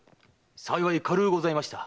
幸い軽うございました。